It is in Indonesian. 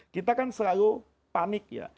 kita kan selalu panik ya